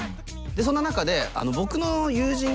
そんな中で僕の。